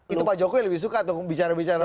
itu pak jokowi lebih suka tuh bicara bicara